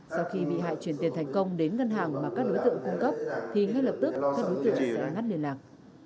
sau khi bị hại chuyển tiền thành công đến ngân hàng mà các đối tượng cung cấp thì ngay lập tức các đối tượng sẽ ngắt liên lạc